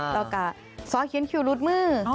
แล้วกับซ้อเคียนคิวรุดมือ